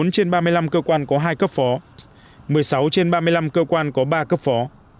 một mươi trên ba mươi năm cơ quan có hai cấp phó một mươi sáu trên ba mươi năm cơ quan có ba cấp phó